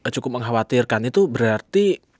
cukup mengkhawatirkan itu berarti